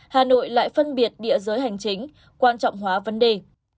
hà nội lại phân biệt địa giới hành chính quan trọng hóa vấn đề